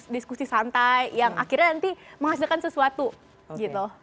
diskusi santai yang akhirnya nanti menghasilkan sesuatu gitu